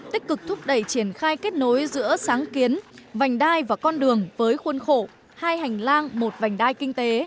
tích cực thúc đẩy triển khai kết nối giữa sáng kiến vành đai và con đường với khuôn khổ hai hành lang một vành đai kinh tế